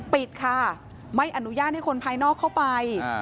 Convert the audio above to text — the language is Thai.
ปิดค่ะไม่อนุญาตให้คนภายนอกเข้าไป